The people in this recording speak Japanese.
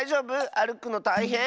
あるくのたいへん？